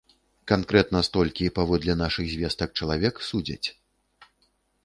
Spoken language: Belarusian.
Канкрэтна столькі, паводле нашых звестак, чалавек судзяць.